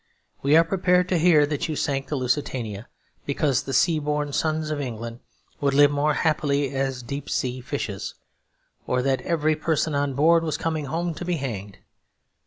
We are prepared to hear that you sank the Lusitania because the sea born sons of England would live more happily as deep sea fishes, or that every person on board was coming home to be hanged.